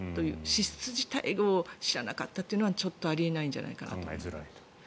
支出自体を知らなかったというのはちょっとあり得ないんじゃないかなと。